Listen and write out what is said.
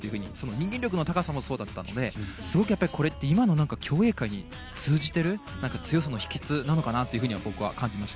人間力の高さもすごかったので、これはすごく今の競泳に通じている強さの秘訣なのかなと僕は感じました。